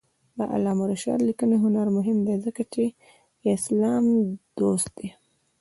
د علامه رشاد لیکنی هنر مهم دی ځکه چې اسلام دوست دی.